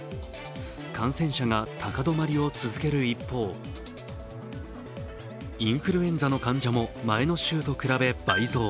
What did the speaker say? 感染者が高止まりを続ける一方、インフルエンザの患者も前の週と比べ倍増。